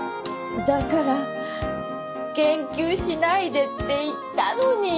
だから研究しないでって言ったのに。